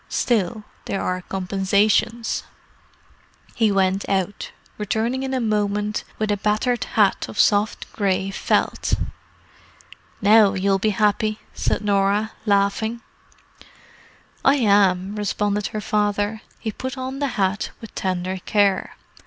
Still, there are compensations." He went out, returning in a moment with a battered hat of soft grey felt. "Now you'll be happy!" said Norah, laughing. "I am," responded her father. He put on the hat with tender care.